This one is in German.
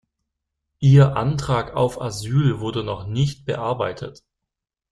Ihr Antrag auf Asyl wurde noch nicht bearbeitet.